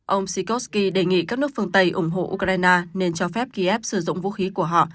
ông sikorsky đề nghị các nước phương tây ủng hộ ukraine nên cho phép ký ép sử dụng vũ khí của họ